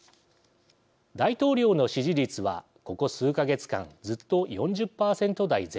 大統領の支持率はここ数か月間ずっと４０％台前半です。